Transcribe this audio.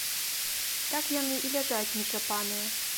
Так яны і ляжаць нечапаныя.